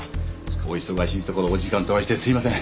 お忙しいところお時間取らせてすいません